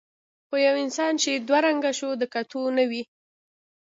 خو یو انسان چې دوه رنګه شو د کتو نه وي.